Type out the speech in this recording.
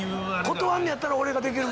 断んねやったら俺ができる。